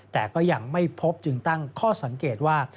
แต่ก็ยังไม่พบจึงตั้งข้อสังเกตว่า